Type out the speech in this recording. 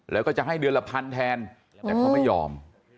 แล้วก็จะให้เดือนละพันแทนแต่เขาไม่ยอม